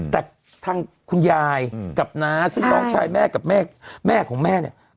แต่ทางคุณยายกับน้าซึ่งน้องชายแม่กับแม่แม่ของแม่เนี่ย